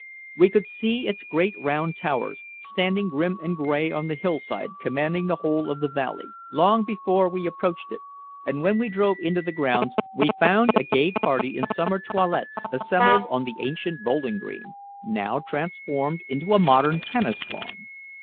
We could see its great round towers, standing grim and gray on the hillside commanding the whole of the valley, long before we approached it, and when we drove into the grounds we found a gay party in summer toilettes assembled on the ancient bowling green, now transformed into a modern tennis lawn.